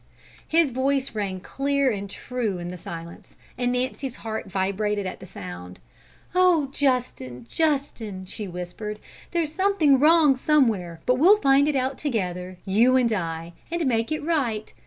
His voice rang clear and true in the silence, and Nancy's heart vibrated at the sound. "Oh, Justin, Justin!" she whispered. "There's something wrong somewhere, but we'll find it out together, you and I, and make it right.